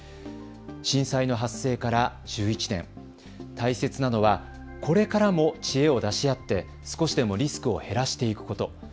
震災の発生から１１年、大切なのはこれからも知恵を出し合って少しでもリスクを減らしていくこと。